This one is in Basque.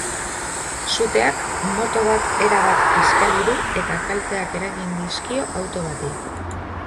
Suteak moto bat erabat kiskali du eta kalteak eragin dizkio auto bati.